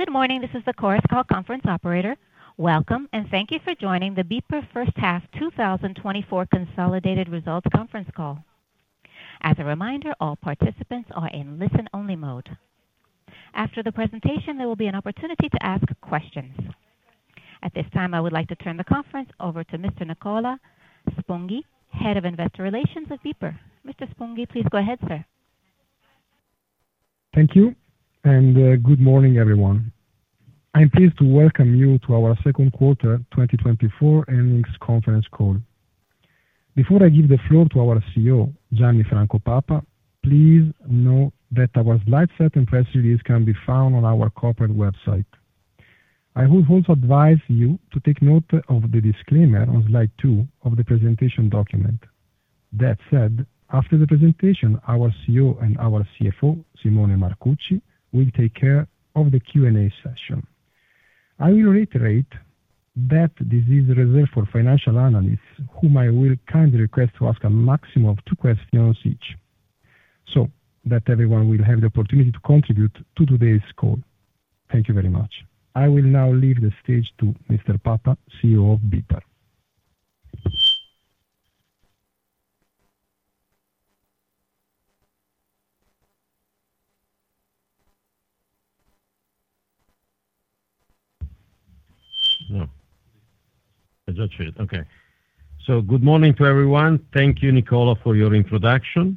Good morning, this is the Chorus Call Conference Operator. Welcome, and thank you for joining the BPER First Half 2024 Consolidated Results Conference Call. As a reminder, all participants are in listen-only mode. After the presentation, there will be an opportunity to ask questions. At this time, I would like to turn the conference over to Mr. Nicola Sponghi, Head of Investor Relations at BPER. Mr. Sponghi, please go ahead, sir. Thank you, and good morning, everyone. I'm pleased to welcome you to our Second Quarter 2024 Earnings Conference Call. Before I give the floor to our CEO, Gianni Franco Papa, please note that our slide set and press release can be found on our corporate website. I would also advise you to take note of the disclaimer on slide two of the presentation document. That said, after the presentation, our CEO and our CFO, Simone Marcucci, will take care of the Q&A session. I will reiterate that this is reserved for financial analysts, whom I will kindly request to ask a maximum of two questions each, so that everyone will have the opportunity to contribute to today's call. Thank you very much. I will now leave the stage to Mr. Papa, CEO of BPER. That's it. Okay. Good morning to everyone. Thank you, Nicola, for your introduction.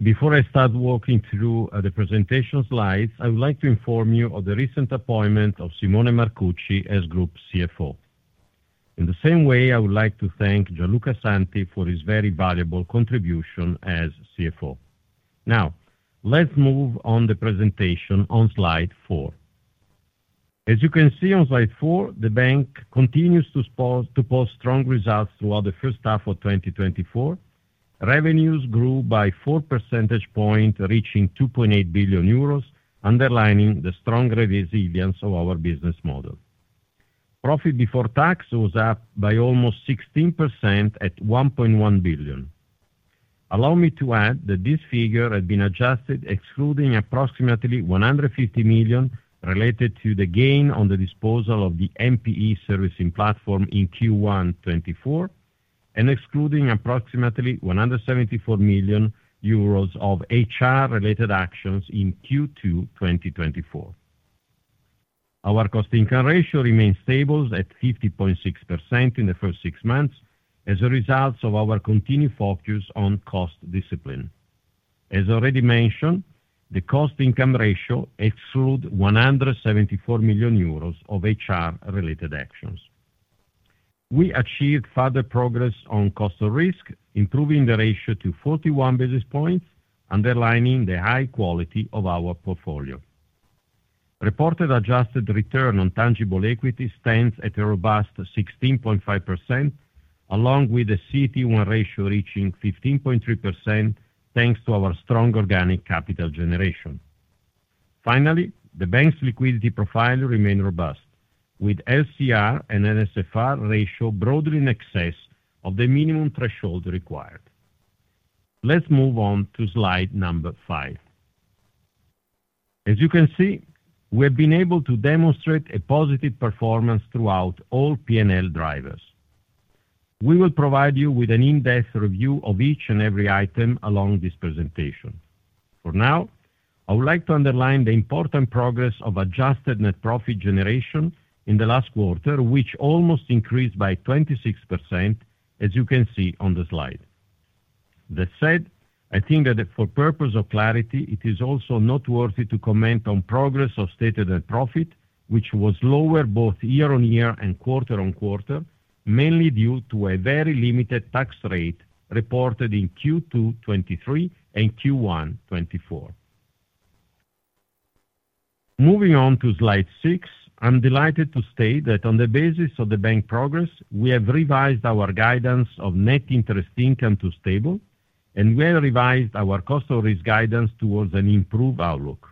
Before I start walking through the presentation slides, I would like to inform you of the recent appointment of Simone Marcucci as Group CFO. In the same way, I would like to thank Gianluca Santi for his very valuable contribution as CFO. Now, let's move on the presentation on slide four. As you can see on slide four, the bank continues to post strong results throughout the first half of 2024. Revenues grew by four percentage points, reaching 2.8 billion euros, underlining the strong resilience of our business model. Profit before tax was up by almost 16% at 1.1 billion. Allow me to add that this figure has been adjusted, excluding approximately 150 million related to the gain on the disposal of the NPE servicing platform in Q1 2024, and excluding approximately 174 million euros of HR-related actions in Q2 2024. Our cost-income ratio remains stable at 50.6% in the first six months as a result of our continued focus on cost discipline. As already mentioned, the cost-income ratio excludes 174 million euros of HR-related actions. We achieved further progress on cost of risk, improving the ratio to 41 basis points, underlining the high quality of our portfolio. Reported adjusted return on tangible equity stands at a robust 16.5%, along with a CET1 ratio reaching 15.3% thanks to our strong organic capital generation. Finally, the bank's liquidity profile remains robust, with LCR and NSFR ratio broadly in excess of the minimum threshold required. Let's move on to slide number 5. As you can see, we have been able to demonstrate a positive performance throughout all P&L drivers. We will provide you with an in-depth review of each and every item along this presentation. For now, I would like to underline the important progress of adjusted net profit generation in the last quarter, which almost increased by 26%, as you can see on the slide. That said, I think that for purpose of clarity, it is also noteworthy to comment on progress of stated net profit, which was lower both year-on-year and quarter-on-quarter, mainly due to a very limited tax rate reported in Q2 2023 and Q1 2024. Moving on to slide six, I'm delighted to state that on the basis of the bank progress, we have revised our guidance of net interest income to stable, and we have revised our cost of risk guidance towards an improved outlook.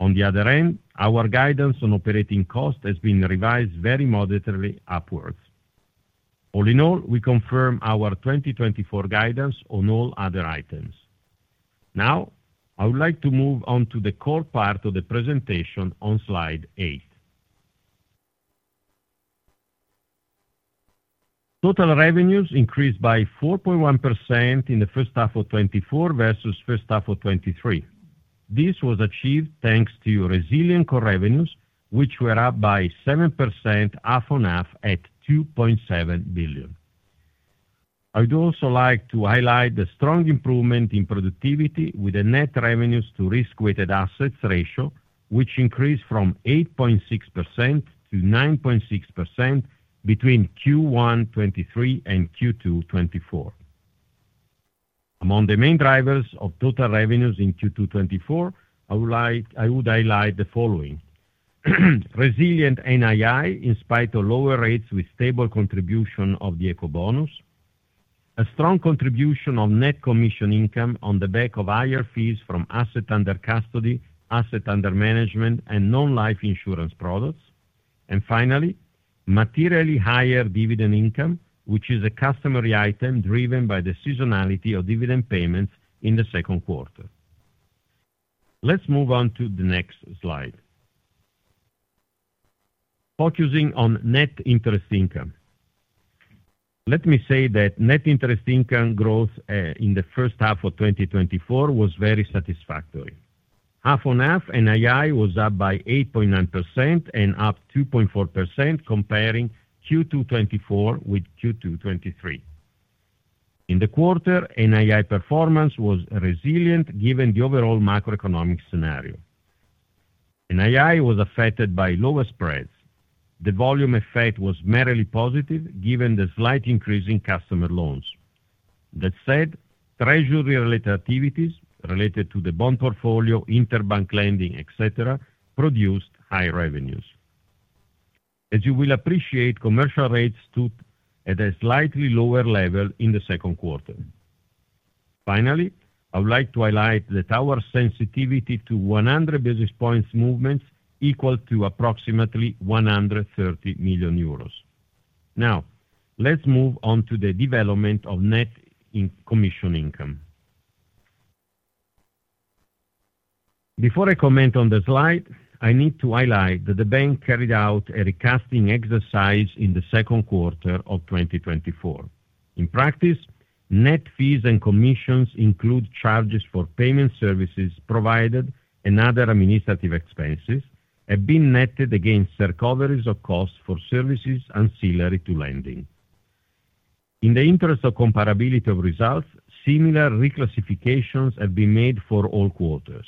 On the other end, our guidance on operating cost has been revised very moderately upwards. All in all, we confirm our 2024 guidance on all other items. Now, I would like to move on to the core part of the presentation on slide eight. Total revenues increased by 4.1% in the first half of 2024 versus first half of 2023. This was achieved thanks to resilient core revenues, which were up by 7% half-on-half at 2.7 billion. I would also like to highlight the strong improvement in productivity with the net revenues to risk-weighted assets ratio, which increased from 8.6% to 9.6% between Q1 2023 and Q2 2024. Among the main drivers of total revenues in Q2 2024, I would highlight the following: resilient NII in spite of lower rates with stable contribution of the Ecobonus, a strong contribution of net commission income on the back of higher fees from asset under custody, asset under management, and non-life insurance products, and finally, materially higher dividend income, which is a customary item driven by the seasonality of dividend payments in the second quarter. Let's move on to the next slide. Focusing on net interest income, let me say that net interest income growth in the first half of 2024 was very satisfactory. Half-on-half, NII was up by 8.9% and up 2.4% comparing Q2 2024 with Q2 2023. In the quarter, NII performance was resilient given the overall macroeconomic scenario. NII was affected by lower spreads. The volume effect was merely positive given the slight increase in customer loans. That said, treasury-related activities related to the bond portfolio, interbank lending, etc., produced high revenues. As you will appreciate, commercial rates stood at a slightly lower level in the second quarter. Finally, I would like to highlight that our sensitivity to 100 basis points movements equaled to approximately 130 million euros. Now, let's move on to the development of net commission income. Before I comment on the slide, I need to highlight that the bank carried out a recasting exercise in the second quarter of 2024. In practice, net fees and commissions include charges for payment services provided and other administrative expenses that have been netted against recoveries of costs for services ancillary to lending. In the interest of comparability of results, similar reclassifications have been made for all quarters.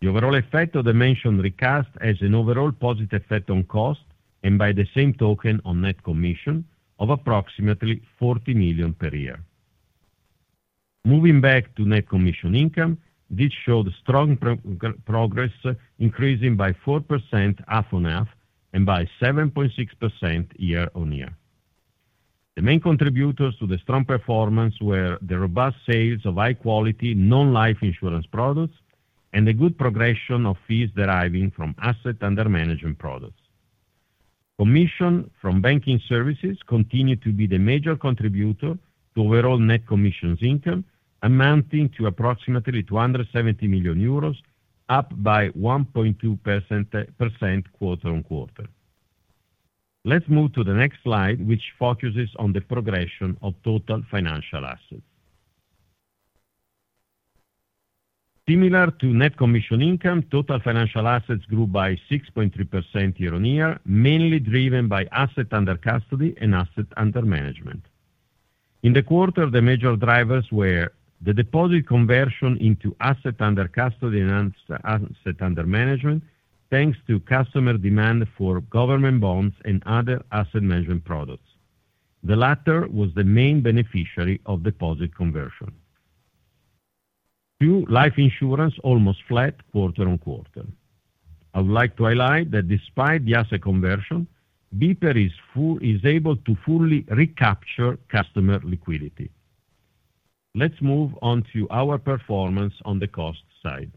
The overall effect of the mentioned recast has an overall positive effect on cost and by the same token on net commission of approximately 40 million per year. Moving back to net commission income, this showed strong progress, increasing by 4% half-on-half and by 7.6% year-on-year. The main contributors to the strong performance were the robust sales of high-quality non-life insurance products and the good progression of fees deriving from asset under management products. Commission from banking services continued to be the major contributor to overall net commissions income, amounting to approximately 270 million euros, up by 1.2% quarter-on-quarter. Let's move to the next slide, which focuses on the progression of total financial assets. Similar to net commission income, total financial assets grew by 6.3% year-on-year, mainly driven by asset under custody and asset under management. In the quarter, the major drivers were the deposit conversion into asset under custody and asset under management, thanks to customer demand for government bonds and other asset management products. The latter was the main beneficiary of deposit conversion. Life insurance almost flat quarter-on-quarter. I would like to highlight that despite the asset conversion, BPER is able to fully recapture customer liquidity. Let's move on to our performance on the cost side.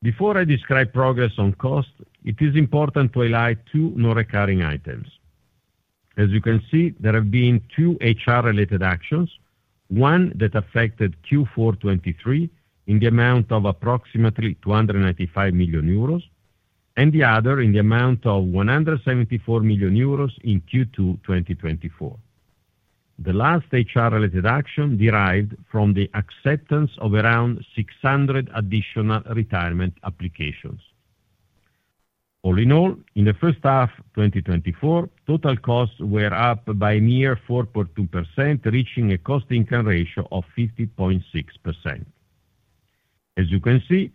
Before I describe progress on cost, it is important to highlight two non-recurring items. As you can see, there have been two HR-related actions, one that affected Q4 2023 in the amount of approximately 295 million euros, and the other in the amount of 174 million euros in Q2 2024. The last HR-related action derived from the acceptance of around 600 additional retirement applications. All in all, in the first half of 2024, total costs were up by a mere 4.2%, reaching a cost-income ratio of 50.6%. As you can see,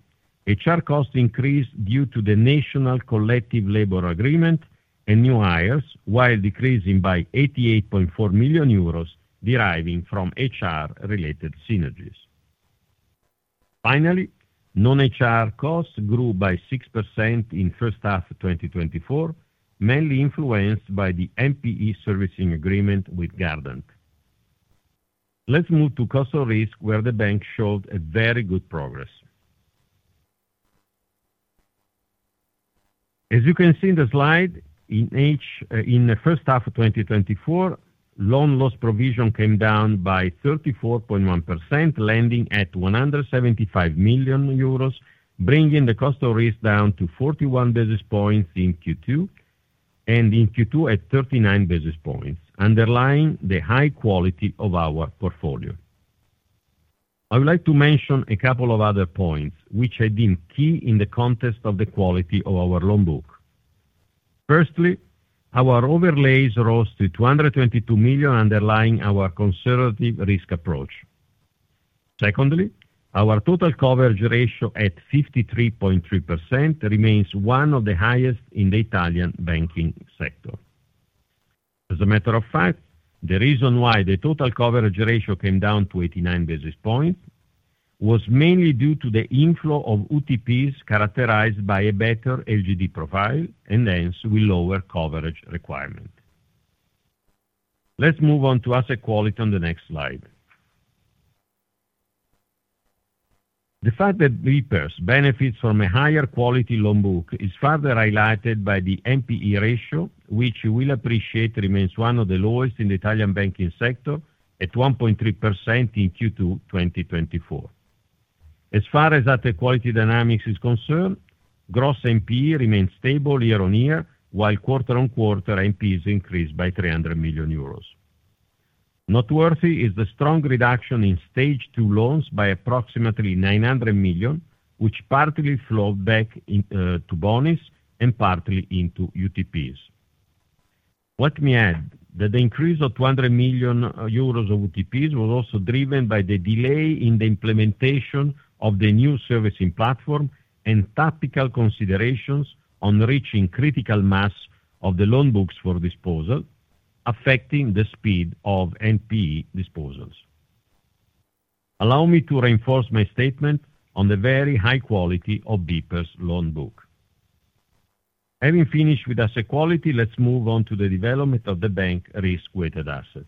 HR costs increased due to the National Collective Labor Agreement and new hires, while decreasing by 88.4 million euros deriving from HR-related synergies. Finally, non-HR costs grew by 6% in the first half of 2024, mainly influenced by the NPE servicing agreement with Gardant. Let's move to cost of risk, where the bank showed very good progress. As you can see in the slide, in the first half of 2024, loan loss provision came down by 34.1%, landing at 175 million euros, bringing the cost of risk down to 41 basis points in Q2 and in Q2 at 39 basis points, underlining the high quality of our portfolio. I would like to mention a couple of other points which have been key in the context of the quality of our loan book. Firstly, our overlays rose to 222 million, underlying our conservative risk approach. Secondly, our total coverage ratio at 53.3% remains one of the highest in the Italian banking sector. As a matter of fact, the reason why the total coverage ratio came down to 89 basis points was mainly due to the inflow of UTPs characterized by a better LGD profile and hence with lower coverage requirement. Let's move on to asset quality on the next slide. The fact that BPER benefits from a higher quality loan book is further highlighted by the NPE ratio, which you will appreciate remains one of the lowest in the Italian banking sector at 1.3% in Q2 2024. As far as asset quality dynamics is concerned, gross NPE remains stable year-over-year, while quarter-over-quarter NPEs increased by 300 million euros. Noteworthy is the strong reduction in Stage 2 loans by approximately 900 million, which partly flowed back to bonus and partly into UTPs. Let me add that the increase of 200 million euros of UTPs was also driven by the delay in the implementation of the new servicing platform and topical considerations on reaching critical mass of the loan books for disposal, affecting the speed of NPE disposals. Allow me to reinforce my statement on the very high quality of BPER's loan book. Having finished with asset quality, let's move on to the development of the bank's risk-weighted assets.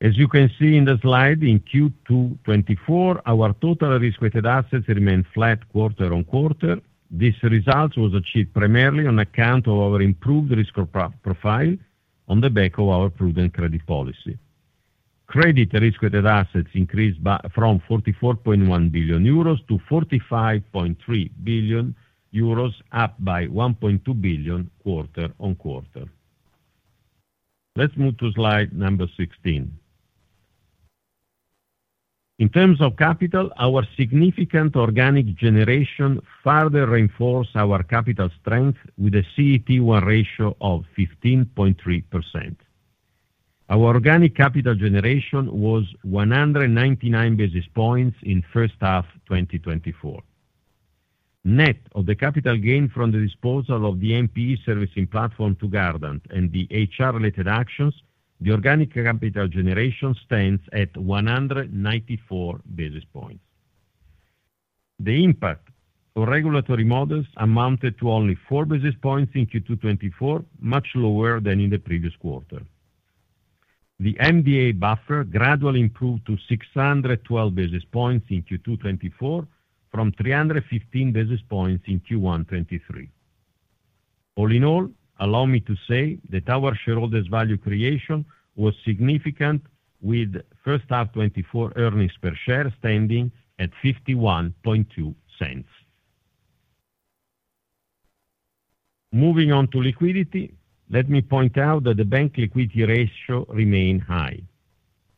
As you can see in the slide, in Q2 2024, our total risk-weighted assets remained flat quarter-over-quarter. This result was achieved primarily on account of our improved risk profile on the back of our prudent credit policy. Credit risk-weighted assets increased from €44.1 billion to €45.3 billion, up by €1.2 billion quarter-on-quarter. Let's move to slide 16. In terms of capital, our significant organic generation further reinforced our capital strength with a C/T1 ratio of 15.3%. Our organic capital generation was 199 basis points in the first half of 2024. Net of the capital gain from the disposal of the NPE servicing platform to Gardant and the HR-related actions, the organic capital generation stands at 194 basis points. The impact of regulatory models amounted to only 4 basis points in Q2 2024, much lower than in the previous quarter. The MDA buffer gradually improved to 612 basis points in Q2 2024 from 315 basis points in Q1 2023. All in all, allow me to say that our shareholders' value creation was significant, with first half 2024 earnings per share standing at 0.512. Moving on to liquidity, let me point out that the bank liquidity ratio remained high.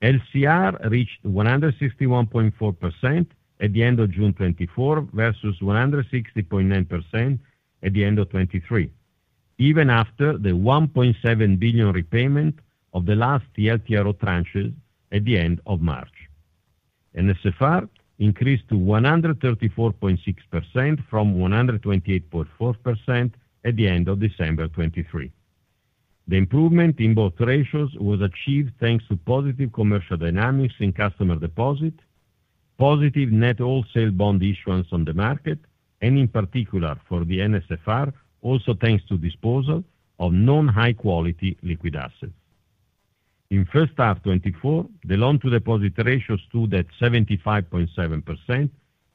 LCR reached 161.4% at the end of June 2024 versus 160.9% at the end of 2023, even after the 1.7 billion repayment of the last TLTRO tranches at the end of March. NSFR increased to 134.6% from 128.4% at the end of December 2023. The improvement in both ratios was achieved thanks to positive commercial dynamics in customer deposit, positive net wholesale bond issuance on the market, and in particular for the NSFR, also thanks to disposal of non-high-quality liquid assets. In first half 2024, the loan-to-deposit ratio stood at 75.7%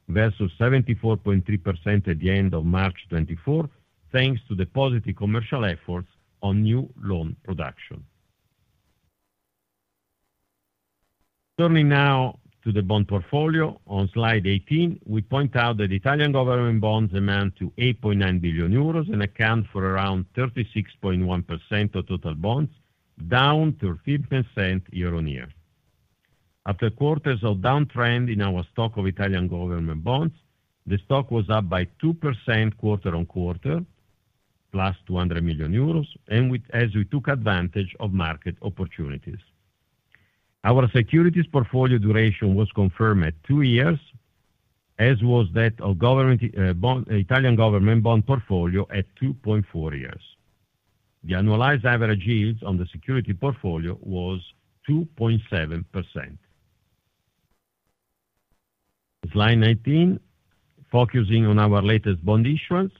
versus 74.3% at the end of March 2024, thanks to the positive commercial efforts on new loan production. Turning now to the bond portfolio, on slide 18, we point out that Italian government bonds amount to 8.9 billion euros and account for around 36.1% of total bonds, down 13% year-over-year. After quarters of downtrend in our stock of Italian government bonds, the stock was up by 2% quarter-over-quarter, plus 200 million euros, and as we took advantage of market opportunities. Our securities portfolio duration was confirmed at two years, as was that of Italian government bond portfolio at 2.4 years. The annualized average yield on the security portfolio was 2.7%. Slide 19, focusing on our latest bond issuance.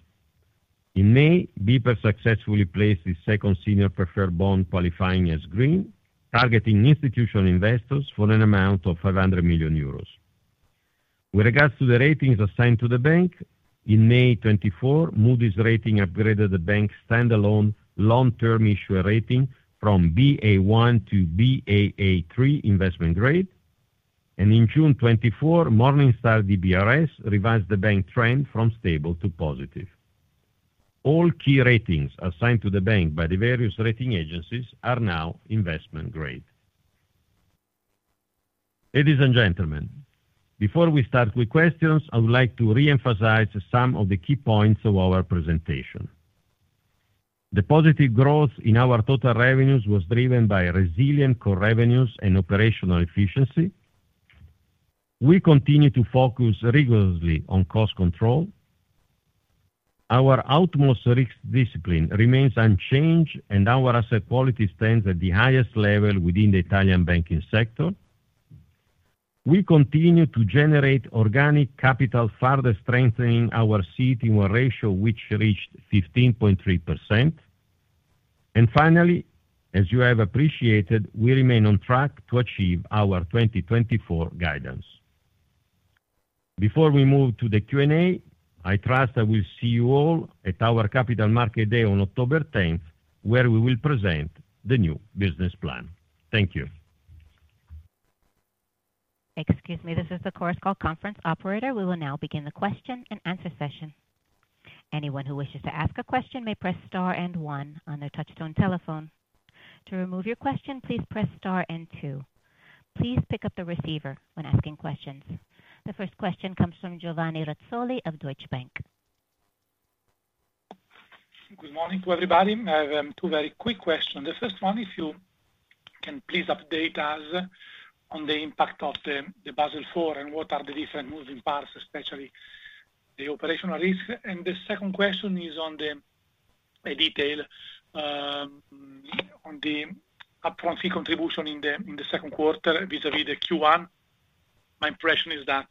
In May, BPER successfully placed its second senior preferred bond qualifying as green, targeting institutional investors for an amount of 500 million euros. With regards to the ratings assigned to the bank, in May 2024, Moody's rating upgraded the bank's standalone long-term issuer rating from Ba1 to Baa3 investment grade. In June 2024, Morningstar DBRS revised the bank trend from stable to positive. All key ratings assigned to the bank by the various rating agencies are now investment grade. Ladies and gentlemen, before we start with questions, I would like to reemphasize some of the key points of our presentation. The positive growth in our total revenues was driven by resilient core revenues and operational efficiency. We continue to focus rigorously on cost control. Our utmost risk discipline remains unchanged, and our asset quality stands at the highest level within the Italian banking sector. We continue to generate organic capital, further strengthening our CET1 ratio which reached 15.3%. And finally, as you have appreciated, we remain on track to achieve our 2024 guidance. Before we move to the Q&A, I trust I will see you all at our Capital Market Day on October 10th, where we will present the new business plan. Thank you. Excuse me, this is the Chorus Call conference operator. We will now begin the question and answer session. Anyone who wishes to ask a question may press star and one on their touch-tone telephone. To remove your question, please press star and two. Please pick up the receiver when asking questions. The first question comes from Giovanni Razzoli of Deutsche Bank. Good morning to everybody. I have two very quick questions. The first one, if you can please update us on the impact of the Basel IV and what are the different moving parts, especially the operational risk. And the second question is on the detail on the upfront fee contribution in the second quarter vis-à-vis the Q1. My impression is that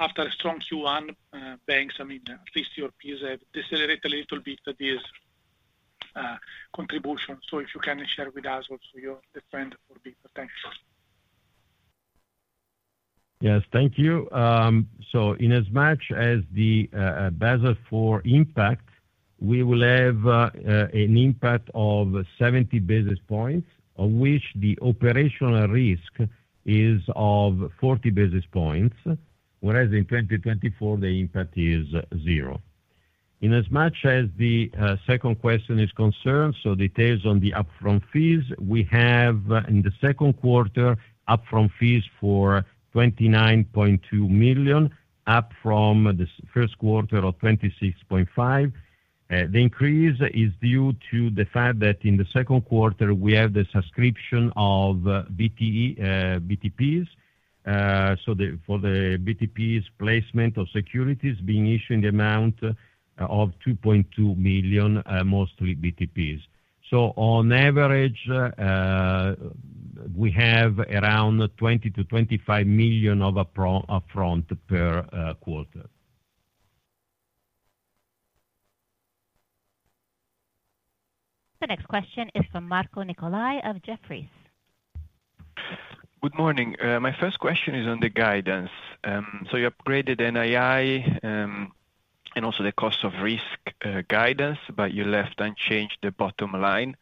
after a strong Q1, banks, I mean, at least your peers have decelerated a little bit this contribution. So if you can share with us also your trend for BPER, thank you. Yes, thank you. So inasmuch as the Basel IV impact, we will have an impact of 70 basis points, of which the operational risk is of 40 basis points, whereas in 2024, the impact is zero. Inasmuch as the second question is concerned, so details on the upfront fees, we have in the second quarter upfront fees for 29.2 million, up from the first quarter of 26.5 million. The increase is due to the fact that in the second quarter, we have the subscription of BTPs. So for the BTPs placement of securities being issued in the amount of 2.2 million, mostly BTPs. So on average, we have around 20 million-25 million of upfront per quarter. The next question is from Marco Nicolai of Jefferies. Good morning. My first question is on the guidance. So you upgraded NII and also the cost of risk guidance, but you left unchanged the bottom line.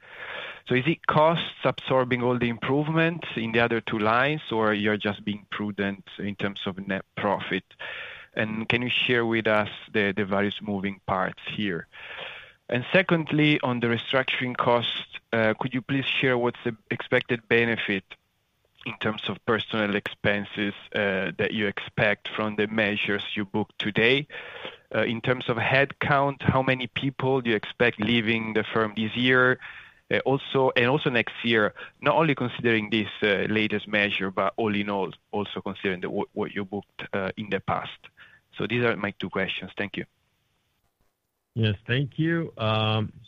So is it costs absorbing all the improvements in the other two lines, or you're just being prudent in terms of net profit? And can you share with us the various moving parts here? And secondly, on the restructuring cost, could you please share what's the expected benefit in terms of personnel expenses that you expect from the measures you booked today? In terms of headcount, how many people do you expect leaving the firm this year and also next year, not only considering this latest measure, but all in all, also considering what you booked in the past? So these are my two questions. Thank you. Yes, thank you.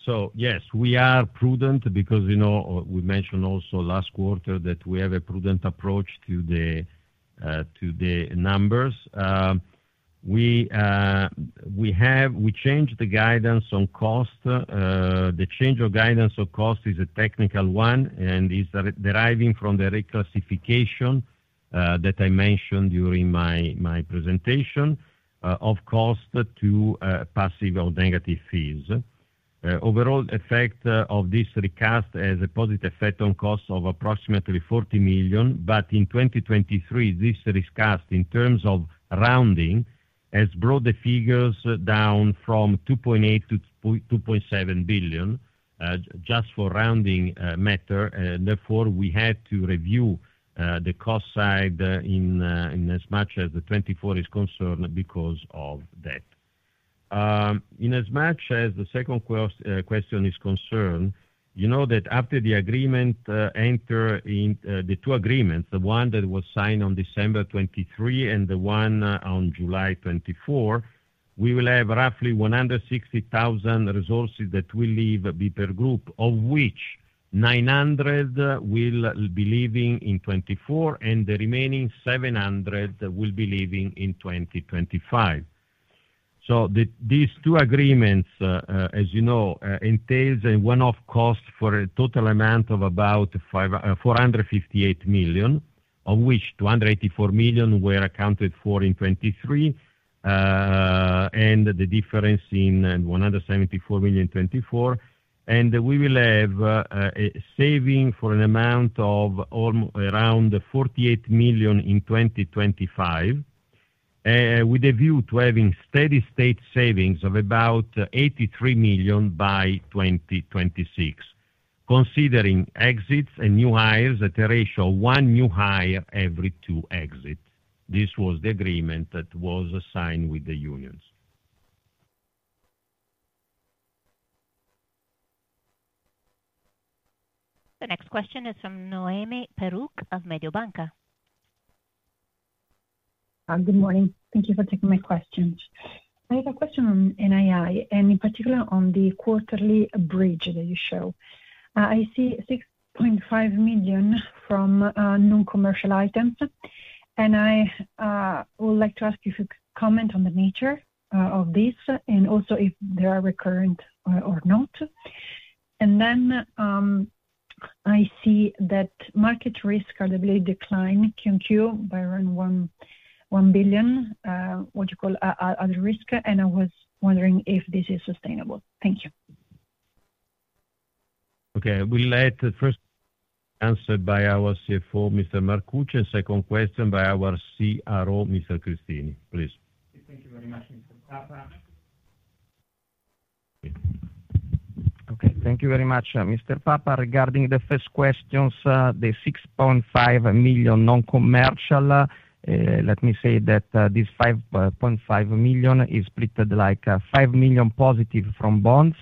So yes, we are prudent because we mentioned also last quarter that we have a prudent approach to the numbers. We changed the guidance on cost. The change of guidance on cost is a technical one and is deriving from the reclassification that I mentioned during my presentation of cost to passive or negative fees. Overall, the effect of this recast has a positive effect on cost of approximately 40 million. But in 2023, this recast in terms of rounding has brought the figures down from 2.8 billion to 2.7 billion just for rounding matter. Therefore, we had to review the cost side in as much as the 2024 is concerned because of that. In as much as the second question is concerned, you know that after the agreement enter in the two agreements, the one that was signed on December 2023 and the one on July 2024, we will have roughly 160,000 resources that will leave BPER Group, of which 900 will be leaving in 2024 and the remaining 700 will be leaving in 2025. So these two agreements, as you know, entail a one-off cost for a total amount of about 458 million, of which 284 million were accounted for in 2023 and the difference in 174 million in 2024. And we will have saving for an amount of around 48 million in 2025 with a view to having steady state savings of about 83 million by 2026, considering exits and new hires at a ratio of one new hire every two exits. This was the agreement that was signed with the unions. The next question is from Noemi Peruch of Mediobanca. Good morning. Thank you for taking my questions. I have a question on NII and in particular on the quarterly bridge that you show. I see 6.5 million from non-commercial items. And I would like to ask you to comment on the nature of this and also if they are recurrent or not. And then I see that market risk, I believe, declined Q1 by around 1 billion, what you call other risk. And I was wondering if this is sustainable. Thank you. Okay. We'll let the first answer by our CFO, Mr. Marcucci, and second question by our CRO, Mr. Cristini, please. Thank you very much, Mr. Papa. Okay. Thank you very much, Mr. Papa. Regarding the first questions, the 6.5 million non-commercial, let me say that this 5.5 million is split like 5 million positive from bonds,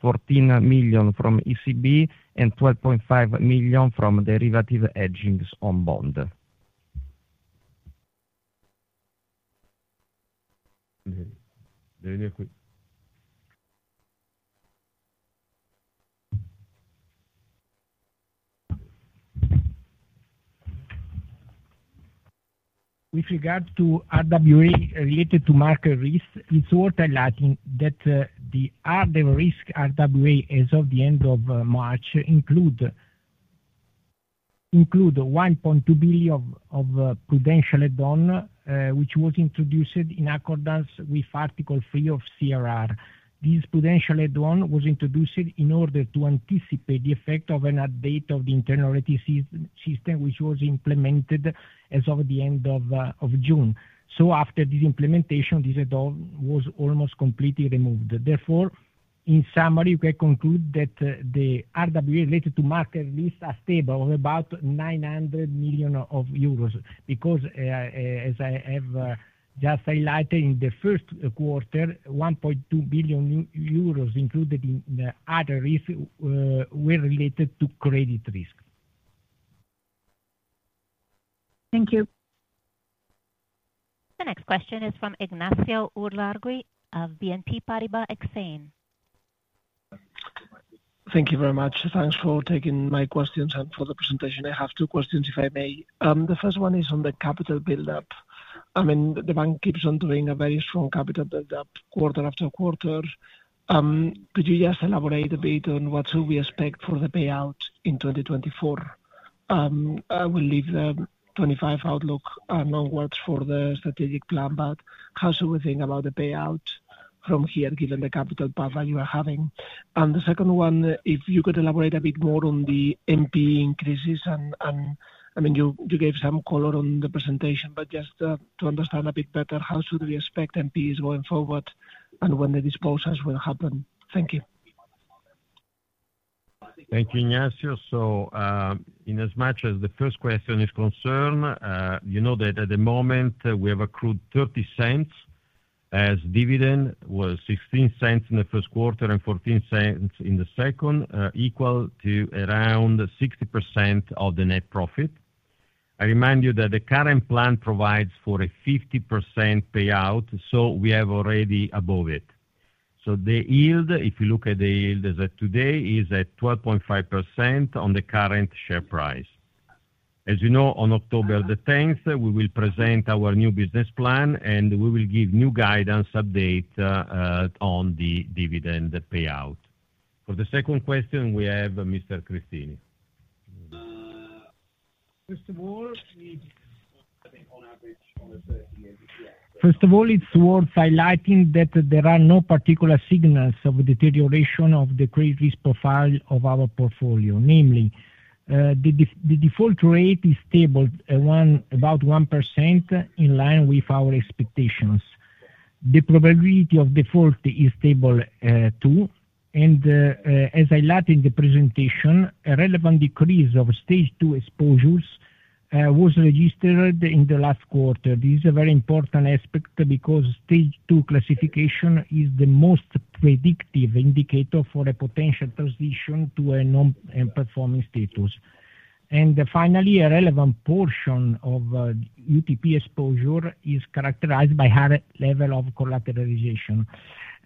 14 million from ECB, and 12.5 million from derivative hedging on bond. With regard to RWA related to market risk, it's worth highlighting that the RWA as of the end of March includes 1.2 billion of prudential add-on, which was introduced in accordance with Article 3 of CRR. This prudential add-on was introduced in order to anticipate the effect of an update of the internal rating system, which was implemented as of the end of June. So after this implementation, this add-on was almost completely removed. Therefore, in summary, we can conclude that the RWA related to market risk is stable of about 900 million euros because, as I have just highlighted in the first quarter, 1.2 billion euros included in other risk were related to credit risk. Thank you. The next question is from Ignacio Ulargui of BNP Paribas Exane. Thank you very much. Thanks for taking my questions and for the presentation. I have two questions, if I may. The first one is on the capital build-up. I mean, the bank keeps on doing a very strong capital build-up quarter after quarter. Could you just elaborate a bit on what should we expect for the payout in 2024? I will leave the 2025 outlook onwards for the strategic plan, but how should we think about the payout from here given the capital path that you are having? The second one, if you could elaborate a bit more on the NPE increases. And I mean, you gave some color on the presentation, but just to understand a bit better, how should we expect NPEs going forward and when the disposals will happen? Thank you. Thank you, Ignacio. So in as much as the first question is concerned, you know that at the moment, we have accrued 0.30 as dividend, was 0.16 in the first quarter and 0.14 in the second, equal to around 60% of the net profit. I remind you that the current plan provides for a 50% payout, so we have already above it. So the yield, if you look at the yield as of today, is at 12.5% on the current share price. As you know, on October the 10th, we will present our new business plan, and we will give new guidance update on the dividend payout. For the second question, we have Mr. Cristini. First of all, it's worth highlighting that there are no particular signals of deterioration of the credit risk profile of our portfolio, namely, the default rate is stable, about 1% in line with our expectations. The probability of default is stable too. As I highlighted in the presentation, a relevant decrease of stage two exposures was registered in the last quarter. This is a very important aspect because stage two classification is the most predictive indicator for a potential transition to a non-performing status. Finally, a relevant portion of UTP exposure is characterized by high level of collateralization.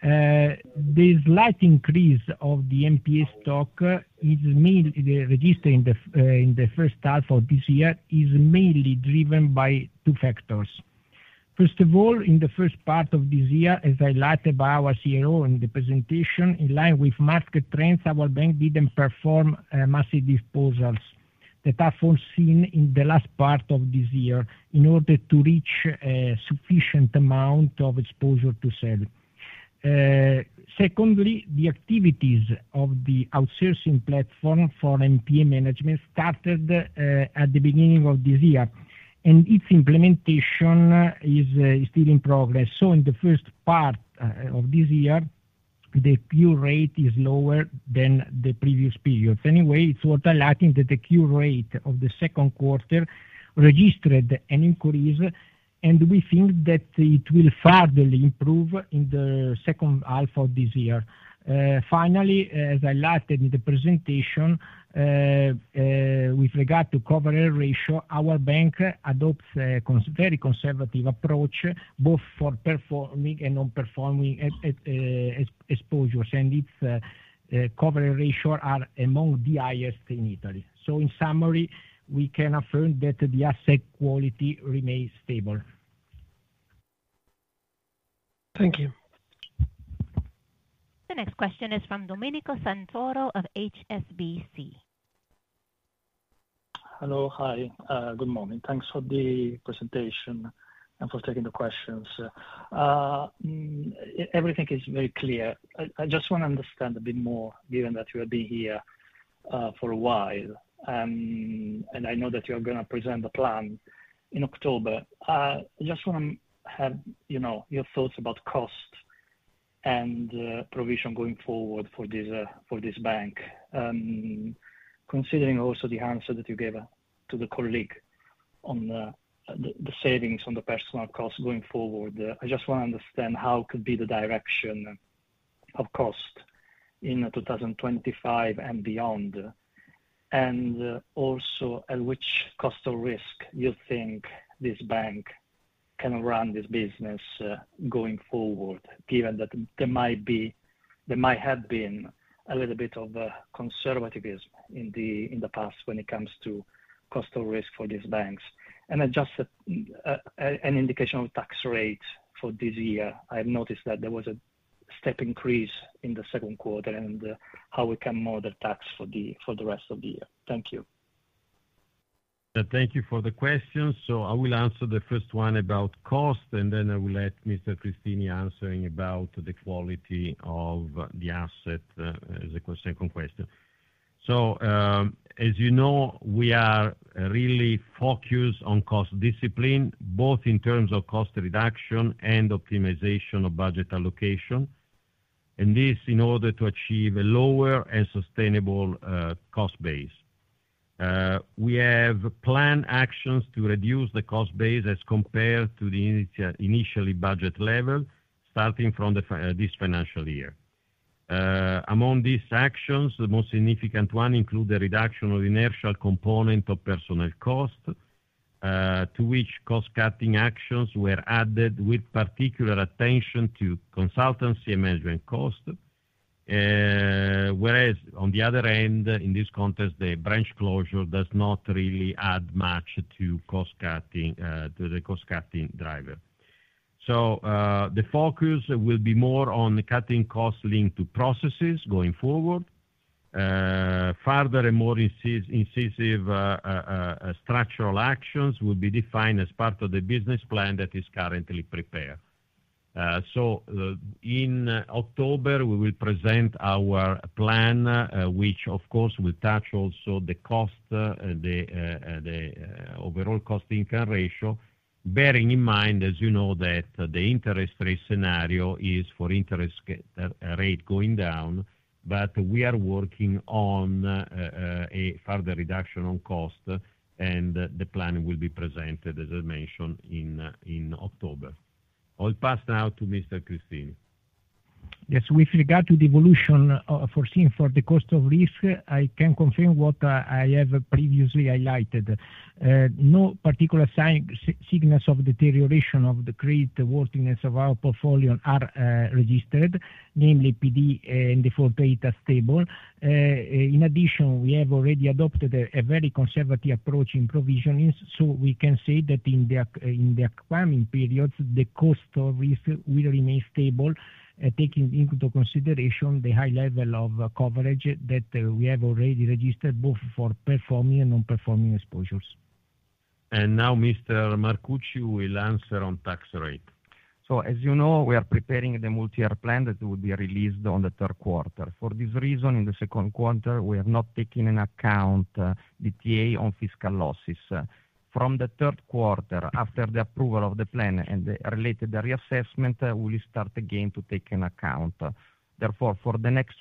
This light increase of the NPE stock is mainly registered in the first half of this year, is mainly driven by two factors. First of all, in the first part of this year, as I talked about our CRO in the presentation, in line with market trends, our bank didn't perform massive disposals. That has been done in the last part of this year in order to reach a sufficient amount of exposure to sell. Secondly, the activities of the outsourcing platform for NPE management started at the beginning of this year, and its implementation is still in progress. So in the first part of this year, the cure rate is lower than the previous period. Anyway, it's worth highlighting that the cure rate of the second quarter registered an increase, and we think that it will further improve in the second half of this year. Finally, as I laid out in the presentation, with regard to coverage ratio, our bank adopts a very conservative approach, both for performing and non-performing exposures, and its coverage ratios are among the highest in Italy. So in summary, we can affirm that the asset quality remains stable. Thank you. The next question is from Domenico Santoro of HSBC. Hello, hi. Good morning. Thanks for the presentation and for taking the questions. Everything is very clear. I just want to understand a bit more given that you have been here for a while, and I know that you are going to present the plan in October. I just want to have your thoughts about cost and provision going forward for this bank. Considering also the answer that you gave to the colleague on the savings on the personal cost going forward, I just want to understand how could be the direction of cost in 2025 and beyond, and also at which cost of risk you think this bank can run this business going forward, given that there might have been a little bit of conservatism in the past when it comes to cost of risk for these banks. Just an indication of tax rate for this year. I have noticed that there was a step increase in the second quarter and how we can model tax for the rest of the year. Thank you. Thank you for the questions. So I will answer the first one about cost, and then I will let Mr. Cristini answering about the quality of the asset as a question-on-question. As you know, we are really focused on cost discipline, both in terms of cost reduction and optimization of budget allocation. This in order to achieve a lower and sustainable cost base. We have planned actions to reduce the cost base as compared to the initially budget level starting from this financial year. Among these actions, the most significant one includes the reduction of inertial component of personal cost, to which cost-cutting actions were added with particular attention to consultancy and management cost, whereas on the other end, in this context, the branch closure does not really add much to the cost-cutting driver. The focus will be more on cutting costs linked to processes going forward. Further and more incisive structural actions will be defined as part of the business plan that is currently prepared. So in October, we will present our plan, which of course will touch also the cost, the overall cost income ratio, bearing in mind, as you know, that the interest rate scenario is for interest rate going down, but we are working on a further reduction on cost, and the plan will be presented, as I mentioned, in October. I'll pass now to Mr. Cristini. Yes. With regard to the evolution foreseen for the cost of risk, I can confirm what I have previously highlighted. No particular signs of deterioration of the creditworthiness of our portfolio are registered, namely PD and default data stable. In addition, we have already adopted a very conservative approach in provisioning, so we can say that in the upcoming periods, the cost of risk will remain stable, taking into consideration the high level of coverage that we have already registered both for performing and non-performing exposures. And now Mr. Marcucci will answer on tax rate. So as you know, we are preparing the multi-year plan that will be released on the third quarter. For this reason, in the second quarter, we are not taking into account the DTA on fiscal losses. From the third quarter, after the approval of the plan and the related reassessment, we will start again to take into account. Therefore, for the next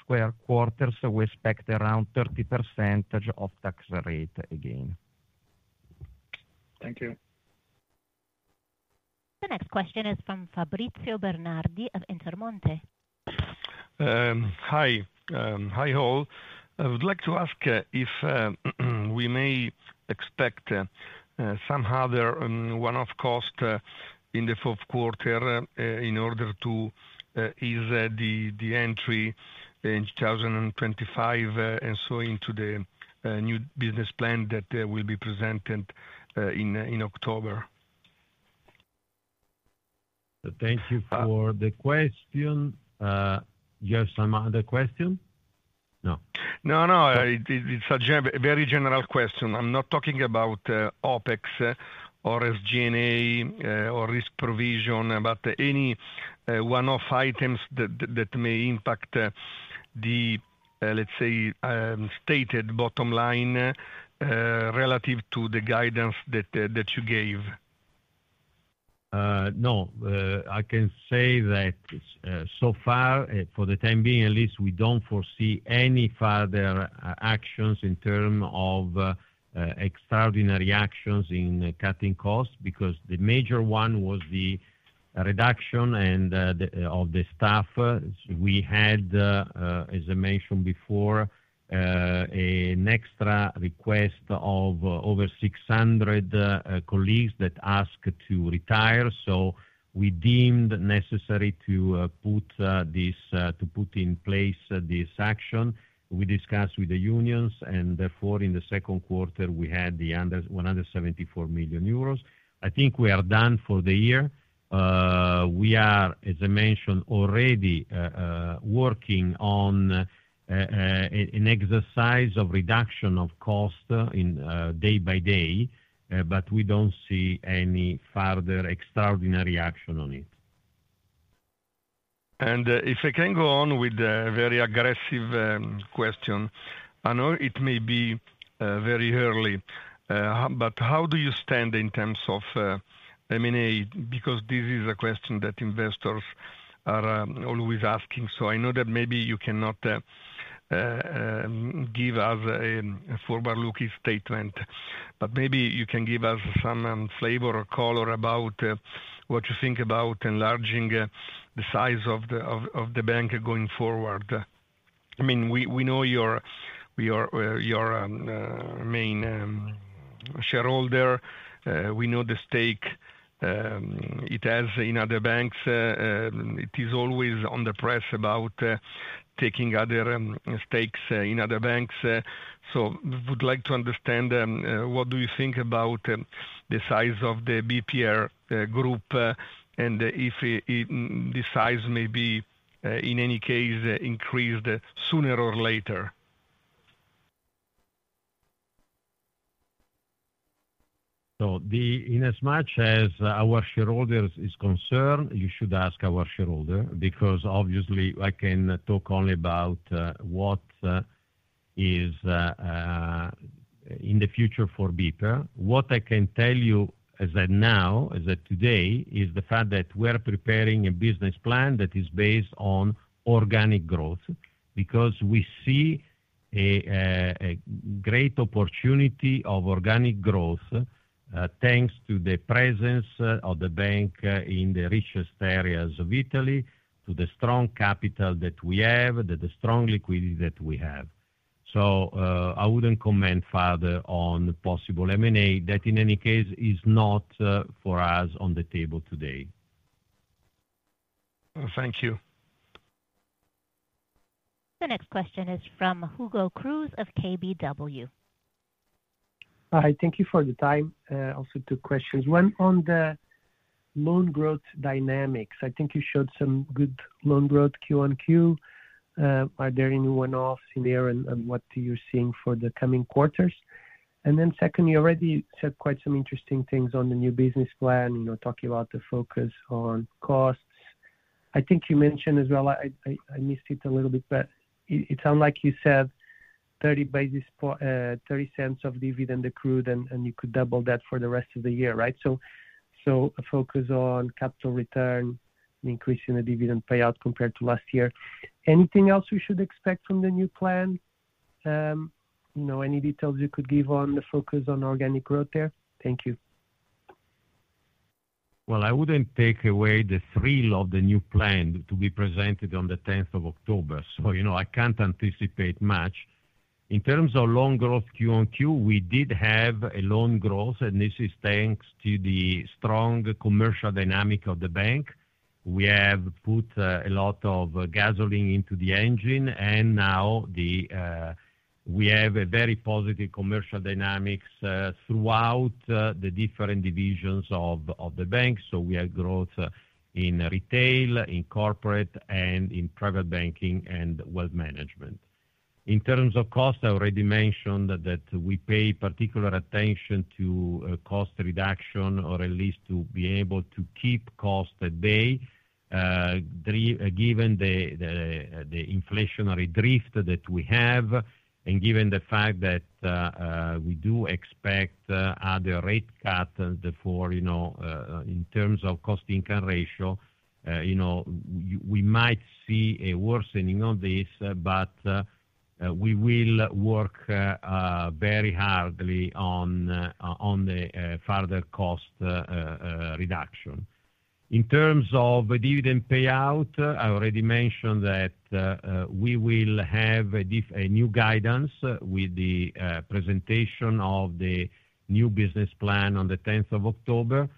quarters, we expect around 30% of tax rate again. Thank you. The next question is from Fabrizio Bernardi of Intermonte. Hi. Hi all. I would like to ask if we may expect some other one-off cost in the fourth quarter in order to ease the entry in 2025 and so into the new business plan that will be presented in October. Thank you for the question. Do you have some other question? No. No, no. It's a very general question. I'm not talking about OPEX or SG&A or risk provision, but any one-off items that may impact the, let's say, stated bottom line relative to the guidance that you gave. No. I can say that so far, for the time being, at least, we don't foresee any further actions in terms of extraordinary actions in cutting costs because the major one was the reduction of the staff. We had, as I mentioned before, an extra request of over 600 colleagues that asked to retire. So we deemed necessary to put in place this action. We discussed with the unions, and therefore, in the second quarter, we had 174 million euros. I think we are done for the year. We are, as I mentioned, already working on an exercise of reduction of cost day by day, but we don't see any further extraordinary action on it. And if I can go on with a very aggressive question, I know it may be very early, but how do you stand in terms of M&A? Because this is a question that investors are always asking. So I know that maybe you cannot give us a forward-looking statement, but maybe you can give us some flavor or color about what you think about enlarging the size of the bank going forward. I mean, we know you are our main shareholder. We know the stake it has in other banks. It is always in the press about taking other stakes in other banks. So we'd like to understand what do you think about the size of the BPER group and if the size may be, in any case, increased sooner or later. So inasmuch as our shareholders are concerned, you should ask our shareholder because obviously, I can talk only about what is in the future for BPER. What I can tell you as of now, as of today, is the fact that we're preparing a business plan that is based on organic growth because we see a great opportunity of organic growth thanks to the presence of the bank in the richest areas of Italy, to the strong capital that we have, the strong liquidity that we have. So I wouldn't comment further on possible M&A that, in any case, is not for us on the table today. Thank you. The next question is from Hugo Cruz of KBW. Hi. Thank you for the time. Also two questions. One on the loan growth dynamics. I think you showed some good loan growth Q1Q. Are there any one-offs in there and what you're seeing for the coming quarters? And then second, you already said quite some interesting things on the new business plan, talking about the focus on costs. I think you mentioned as well, I missed it a little bit, but it sounds like you said 0.30 of dividend accrued, and you could double that for the rest of the year, right? So a focus on capital return and increasing the dividend payout compared to last year. Anything else we should expect from the new plan? Any details you could give on the focus on organic growth there? Thank you. Well, I wouldn't take away the thrill of the new plan to be presented on the 10th of October. So I can't anticipate much. In terms of loan growth Q1Q, we did have a loan growth, and this is thanks to the strong commercial dynamic of the bank. We have put a lot of gasoline into the engine, and now we have very positive commercial dynamics throughout the different divisions of the bank. So we have growth in retail, in corporate, and in private banking and wealth management. In terms of cost, I already mentioned that we pay particular attention to cost reduction or at least to be able to keep costs at bay given the inflationary drift that we have and given the fact that we do expect other rate cuts in terms of cost income ratio. We might see a worsening of this, but we will work very hard on the further cost reduction. In terms of dividend payout, I already mentioned that we will have a new guidance with the presentation of the new business plan on the 10th of October.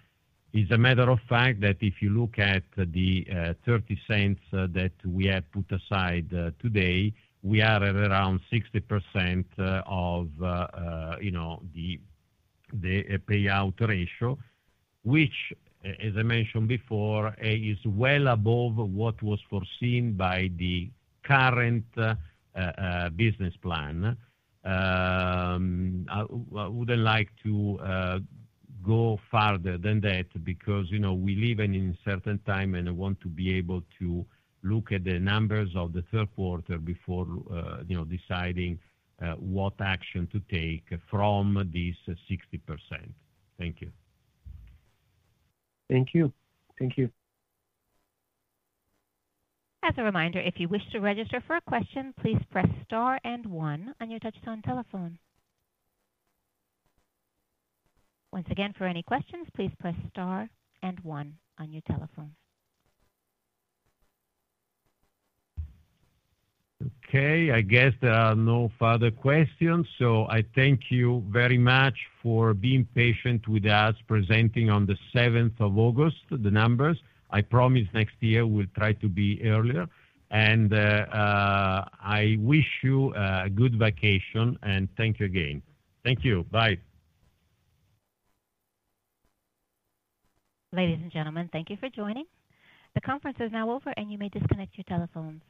It's a matter of fact that if you look at the 0.30 that we have put aside today, we are at around 60% of the payout ratio, which, as I mentioned before, is well above what was foreseen by the current business plan. I wouldn't like to go further than that because we live in a certain time and I want to be able to look at the numbers of the third quarter before deciding what action to take from this 60%. Thank you. Thank you. Thank you. As a reminder, if you wish to register for a question, please press star and one on your touch-tone telephone. Once again, for any questions, please press star and one on your telephone. Okay. I guess there are no further questions. So I thank you very much for being patient with us presenting on the 7th of August, the numbers. I promise next year we'll try to be earlier. And I wish you a good vacation, and thank you again. Thank you. Bye. Ladies and gentlemen, thank you for joining. The conference is now over, and you may disconnect your telephones.